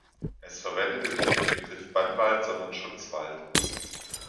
Es verwendete nicht den Begriff Bannwald, sondern Schutzwald.